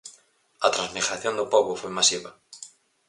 A transmigración do pobo foi masiva.